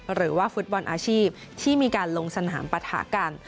หรือว่าฟุตบอลอาชีพที่มีการลงสนามปะทะกัน